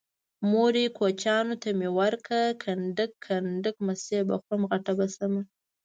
مورې کوچيانو ته مې ورکړه کنډک کنډک مستې به خورم غټه به شمه